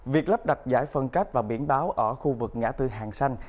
việc lắp đặt giải phân cách và biển báo ở khu vực ngã tư hàng xanh